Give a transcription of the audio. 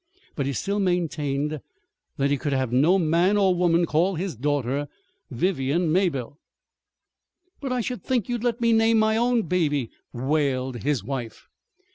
But he still maintained that he could have no man, or woman, call his daughter "Vivian Mabelle." "But I should think you'd let me name my own baby," wailed his wife.